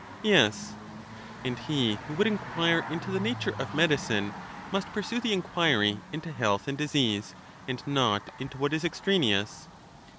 Yes. And he who would inquire into the nature of medi cine must pursue the inquiry into health and disease, and not into what is extraneous?